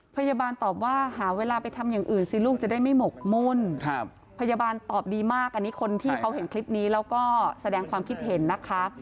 พยาบาลตอบดีมากอันนี้คนที่เขาเห็นคลิปนี้แล้วก็แสดงความคิดเห็นนะคะ